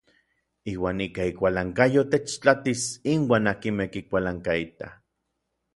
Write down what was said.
Iuan ika ikualankayo techtlatis inuan n akinmej kikualankaitaj.